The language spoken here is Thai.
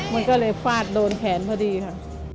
มันก็เลยฟาดโดนแขนพอดีค่ะ